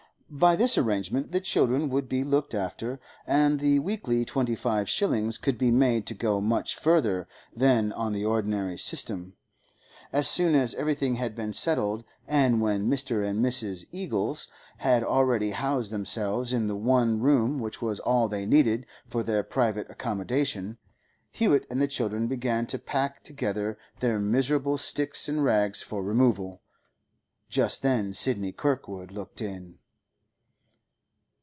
By this arrangement the children would be looked after, and the weekly twenty five shillings could be made to go much further than on the ordinary system. As soon as everything had been settled, and when Mr. and Mrs. Eagles had already housed themselves in the one room which was all they needed for their private accommodation, Hewett and the children began to pack together their miserable sticks and rags for removal. Just then Sidney Kirkwood looked in.